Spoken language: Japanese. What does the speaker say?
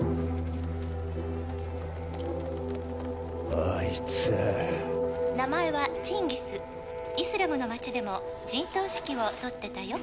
あいつ「名前はチンギス」「イスラムの街でも陣頭指揮を執ってたよ」